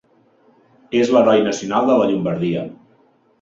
És l'heroi nacional de la Llombardia.